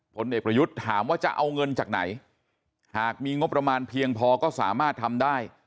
ผลเอกประยุทธ์ถามว่าจะเอาเงินจากไหนหากมีงบประมาณเพียงพอก็สามารถทำได้